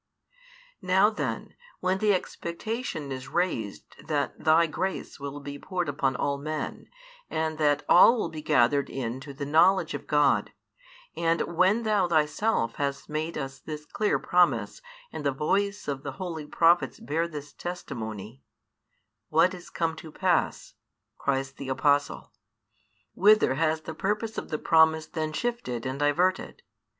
Now then, when the expectation is raised that Thy grace will be poured upon all men and that all will be gathered in to the knowledge of God, and when Thou Thyself hast made us this clear promise and the voice of the holy prophets bears this testimony What is come to pass? cries the Apostle. Whither has the purpose of the promise then shifted and diverted?